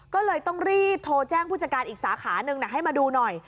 ก็เลยต้องรีบโทรแจ้งผู้จัดการอีกสาขาหนึ่งให้มาดูหน่อย